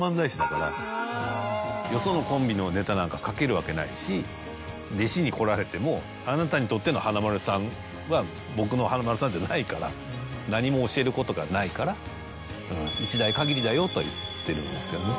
よそのコンビのネタなんか書けるわけないし弟子に来られてもあなたにとっての華丸さんは僕の華丸さんじゃないから何も教えることがないから。とは言ってるんですけどね。